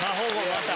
また。